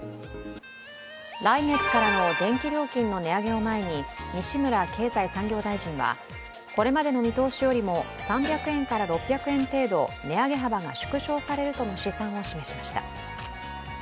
来月からの電気料金の値上げを前に西村経済再生担当大臣はこれまでの見通しよりも３００円から６００円程度、値上げ幅が縮小されるとの試算を示しました。